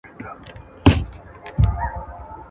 چي کمزوری دي ایمان دی که غښتلی دي شیطان !.